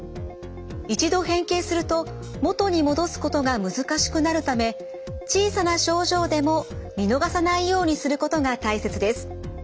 一度変形すると元に戻すことが難しくなるため小さな症状でも見逃さないようにすることが大切です。